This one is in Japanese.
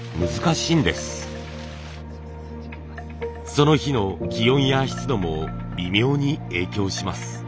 その日の気温や湿度も微妙に影響します。